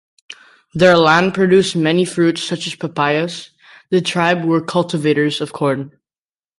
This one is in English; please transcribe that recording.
Their land produced many fruits, such as papayas; the tribe were cultivators of corn.